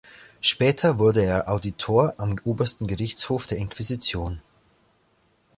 Später wurde er Auditor am Obersten Gerichtshof der Inquisition.